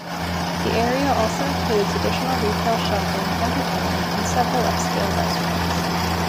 The area also includes additional retail shopping, entertainment, and several upscale restaurants.